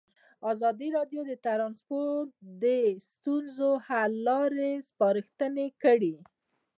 ازادي راډیو د ترانسپورټ د ستونزو حل لارې سپارښتنې کړي.